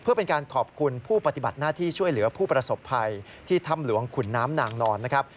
เพื่อเป็นการขอบคุณผู้ปฏิบัติหน้าที่ช่วยเหลือผู้ประสบภัยที่ถ้ำหลวงขุนน้ำนางนอนนะครับ